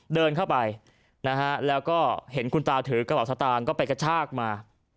เดินเข้าไปนะฮะแล้วก็เห็นคุณตาถือกระเป๋าสตางค์ก็ไปกระชากมา